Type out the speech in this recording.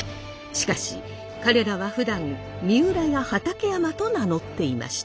しかし彼らはふだん三浦や畠山と名乗っていました。